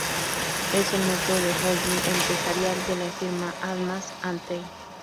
Es el núcleo del holding empresarial de la firma Almaz-Antey.